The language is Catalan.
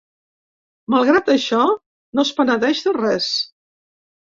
Malgrat això, no es penedeix de res.